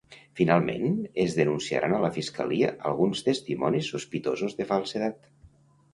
Finalment, es denunciaran a la fiscalia alguns testimonis sospitosos de falsedat.